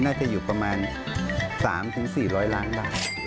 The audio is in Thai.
น่าจะอยู่ประมาณ๓๔๐๐ล้านบาท